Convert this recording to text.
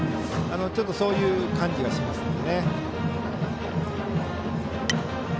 ちょっとそういう感じがしますので。